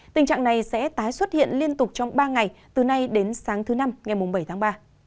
tình trạng này sẽ tái xuất hiện liên tục trong ba ngày từ nay đến sáng thứ năm ngày bảy tháng ba